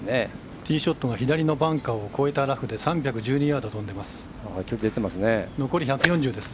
ティーショットが左のバンカーを飛んだラフで３１２ヤード飛んでます。